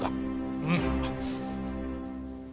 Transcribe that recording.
うん。